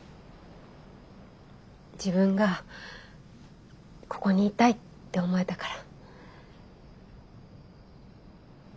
自分がここにいたいって思えたから。